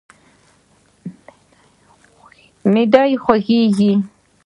معده د خوږیږي؟